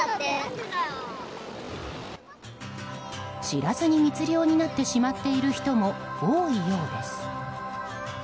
知らずに密漁になってしまっている人も多いようです。